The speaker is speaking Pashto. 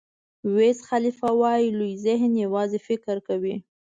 ویز خالیفه وایي لوی ذهن یوازې فکر کوي.